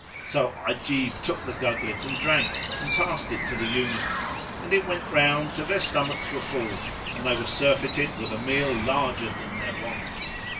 So Ajib took the gugglet and drank and passed it to the Eunuch; and it went round till their stomachs were full and they were surfeited with a meal larger than their wont.